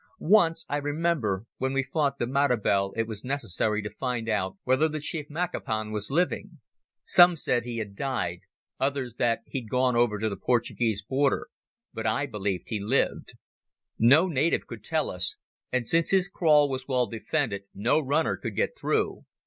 Once, I remember, when we fought the Matabele it was necessary to find out whether the chief Makapan was living. Some said he had died, others that he'd gone over the Portuguese border, but I believed he lived. No native could tell us, and since his kraal was well defended no runner could get through.